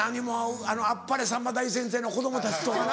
あの『あっぱれさんま大先生』の子供たちとかな。